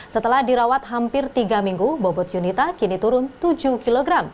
setelah dirawat hampir tiga minggu bobot yunita kini turun tujuh kg